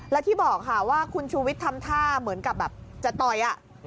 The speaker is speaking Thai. และที่บอกค่ะว่าคุณชูวิทย์ทำท่าเหมือนกับแบบจะต่อย